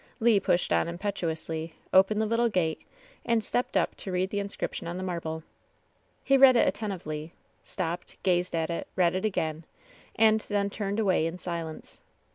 Le pushed on impetuously, opened the little gate, and stepped up to read the inscription on the njarble. He read it attentively, stopped, gazed at it, read it again, and then turned away in silence.